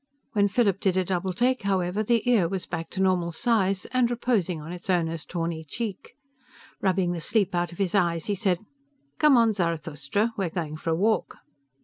When Philip did a doubletake, however, the ear was back to normal size and reposing on its owner's tawny cheek. Rubbing the sleep out of his eyes, he said, "Come on, Zarathustra, we're going for a walk."